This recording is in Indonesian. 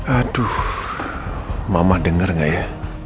aduh mama denger gak ya